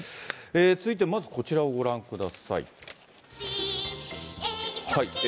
続いてはまずこちらをご覧ください。